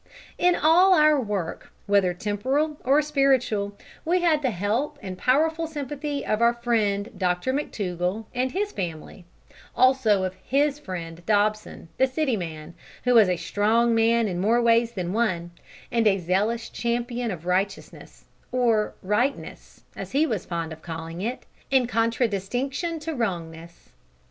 In all our work, whether temporal or spiritual, we had the help and powerful sympathy of our friend Dr McTougall and his family; also of his friend Dobson, the City man, who was a strong man in more ways than one, and a zealous champion of righteousness or "rightness," as he was fond of calling it, in contradistinction to wrongness.